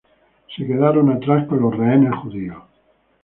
Se quedaron atrás con los rehenes judíos.